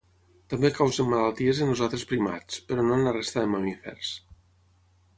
També causen malalties en els altres primats, però no en la resta de mamífers.